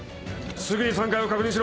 すぐに３階を確認しろ！